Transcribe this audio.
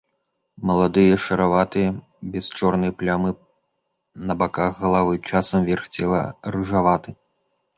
Маладыя шараватыя, без чорнай плямы на баках галавы, часам верх цела рыжаваты.